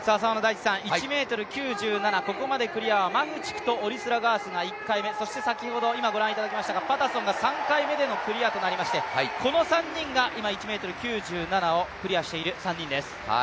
１ｍ９７、ここまでクリアはマフチクとオリスラガース、そして先ほどパタソンが３回目でのクリアとなりまして、今１ｍ９７をクリアしている３人です。